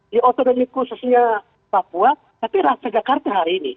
di otonomi khususnya papua tapi rasa jakarta hari ini